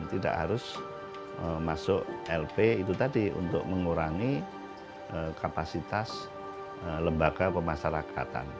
tidak harus masuk lp itu tadi untuk mengurangi kapasitas lembaga pemasarakatan